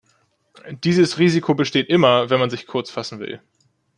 Dieses Risiko besteht immer, wenn man sich kurz fassen will.